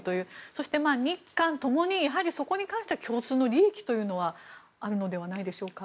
そして、日韓ともにそこに関しては共通の利益というのはあるのではないでしょうか。